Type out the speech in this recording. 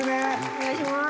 お願いします！